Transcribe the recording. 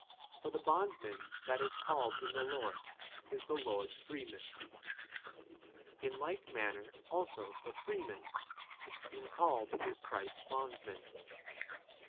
22 For the bondsman that is called in the Lord is the Lord's freeman ; in like manner also the freeman being 23 called is Christ's bondsman.